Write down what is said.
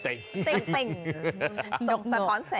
ส่งสปอนเศษ